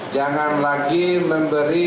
jangan lagi memberi